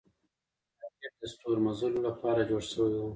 راکټ د ستورمزلو له پاره جوړ شوی و